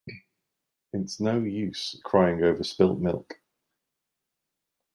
It is no use crying over spilt milk.